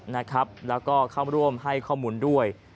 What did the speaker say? แล้วก็เข้าร่วมให้ข้อมูลด้วย